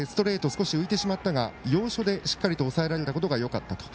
少し浮いてしまったが要所でしっかりと押さえられたことがよかったと。